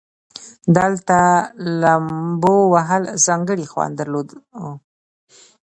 دلته لومبو وهل ځانګړى خوند درلودو.